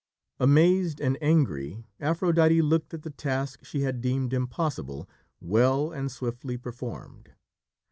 Amazed and angry, Aphrodite looked at the task she had deemed impossible, well and swiftly performed.